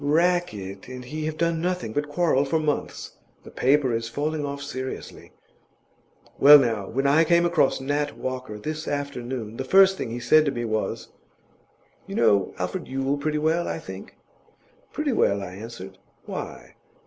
'Rackett and he have done nothing but quarrel for months; the paper is falling off seriously. Well, now, when I came across Nat Walker this afternoon, the first thing he said to me was, "You know Alfred Yule pretty well, I think?" "Pretty well," I answered; "why?"